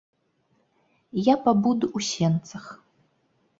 Я пабуду ў сенцах.